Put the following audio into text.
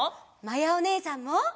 まやおねえさんも！